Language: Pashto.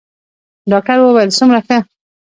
ډاکتر وويل څومره ښه.